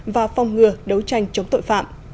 và phong ngừa đấu tranh chống tội phạm